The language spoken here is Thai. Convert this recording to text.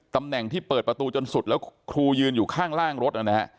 ตำแหน่งที่เปิดประตูจนสุดแล้วครูยืนอยู่ข้างล่างรถนะฮะ